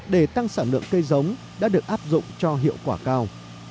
để tăng sản lượng cây giống đã được áp dụng cho hiệu quả cao